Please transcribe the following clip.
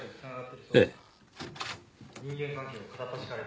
ええ。